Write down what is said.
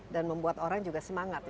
dan membuat orang juga semangat